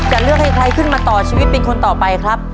จะเลือกให้ใครขึ้นมาต่อชีวิตเป็นคนต่อไปครับ